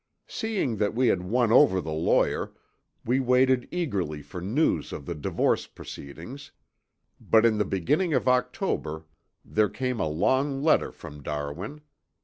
"Seeing that we had won over the lawyer, we waited eagerly for news of the divorce proceedings, but in the beginning of October there came a long letter from Darwin.